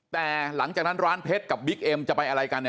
แต่หลังจากนั้นร้านเพชรกับบิ๊กเอ็มจะไปอะไรกันเนี่ย